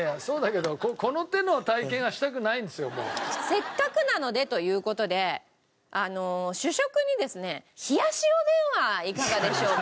せっかくなのでという事で主食にですね冷やしおでんはいかがでしょうか？